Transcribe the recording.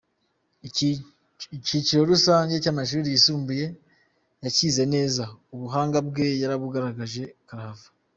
Icyiciro rusange cy’amashuri yisumbuye yacyize neza ubuhanga bwe yarabugaragaje karahava.